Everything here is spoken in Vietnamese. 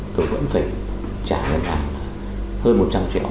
tôi vẫn phải trả ngân hàng hơn một trăm linh triệu